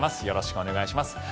よろしくお願いします。